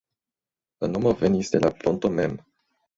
La nomo venis de la ponto mem.